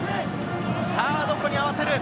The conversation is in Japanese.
どこに合わせる。